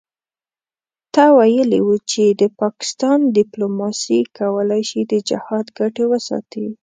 ته ویلي وو چې د پاکستان دیپلوماسي کولای شي د جهاد ګټې وساتي.